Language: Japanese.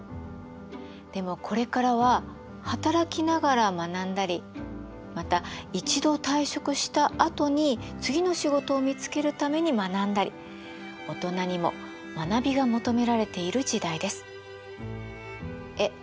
でもこれからは働きながら学んだりまた一度退職したあとに次の仕事を見つけるために学んだりオトナにも学びが求められている時代です。え？